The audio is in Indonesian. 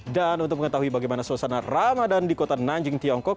dan untuk mengetahui bagaimana suasana ramadan di kota nanjing tiongkok